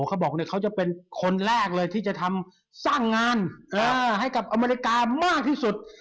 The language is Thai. เขาบอกเขาจะเป็นคนแรกเลยที่จะทำสร้างงานให้กับอเมริกามากที่สุด